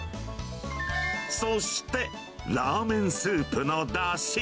そして、ラーメンスープのだし。